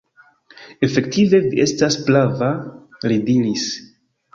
Efektive vi estas prava, li diris.